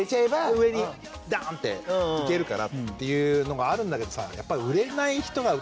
上にダーンっていけるからっていうのがあるんだけどさやっぱり。